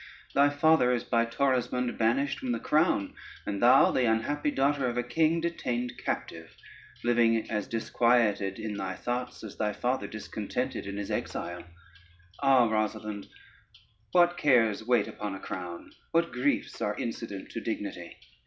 Thy father is by Torismond banished from the crown, and thou, the unhappy daughter of a king, detained captive, living as disquieted in thy thoughts as thy father discontented in his exile. Ah Rosalynde, what cares wait upon a crown! what griefs are incident to dignity!